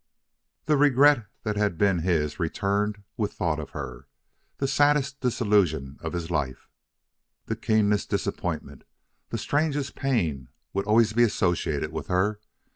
The regret that had been his returned with thought of her. The saddest disillusion of his life, the keenest disappointment, the strangest pain, would always be associated with her.